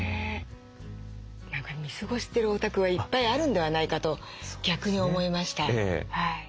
何か見過ごしてるお宅はいっぱいあるんではないかと逆に思いました。